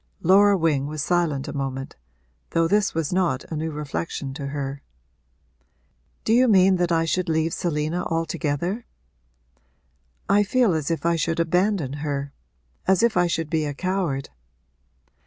Laura Wing was silent a moment, though this was not a new reflection to her. 'Do you mean that I should leave Selina altogether? I feel as if I should abandon her as if I should be a coward.'